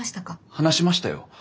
話しましたよ。